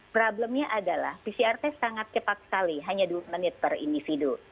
problemnya adalah pcr test sangat cepat sekali hanya dua menit per individu